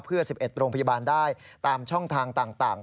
เพื่อ๑๑โรงพยาบาลได้ตามช่องทางต่าง